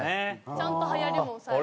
ちゃんとはやりも押さえて。